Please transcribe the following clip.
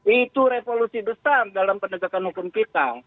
itu revolusi besar dalam penegakan hukum kita